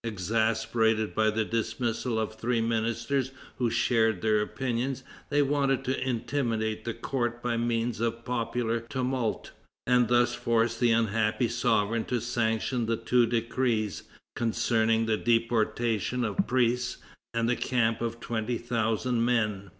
Exasperated by the dismissal of three ministers who shared their opinions, they wanted to intimidate the court by means of a popular tumult, and thus force the unhappy sovereign to sanction the two decrees, concerning the deportation of priests and the camp of twenty thousand men.